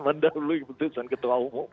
mandalului keputusan ketua umu